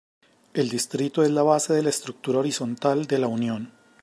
El distrito es la base de la estructura horizontal de la unión.